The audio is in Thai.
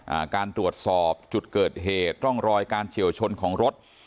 อ่าการตรวจสอบจุดเกิดเหตุร่องรอยการเฉียวชนของรถ